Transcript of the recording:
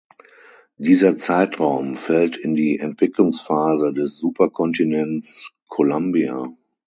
Dieser Zeitraum fällt in die Entwicklungsphase des Superkontinents Columbia.